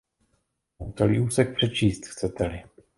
Mohu celý úsek přečíst, chcete-li.